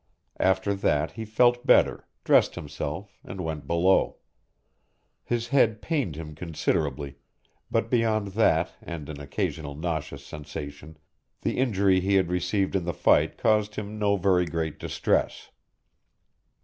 After that he felt better, dressed himself, and went below. His head pained him considerably, but beyond that and an occasional nauseous sensation the injury he had received in the fight caused him no very great distress.